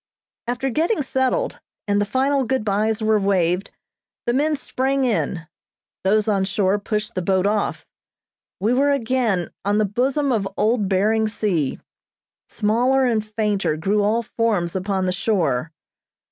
After getting settled, and the final good byes were waved, the men sprang in, those on shore pushed the boat off; we were again on the bosom of old Behring Sea. Smaller and fainter grew all forms upon the shore.